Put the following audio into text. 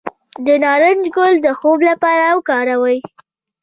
د نارنج ګل د خوب لپاره وکاروئ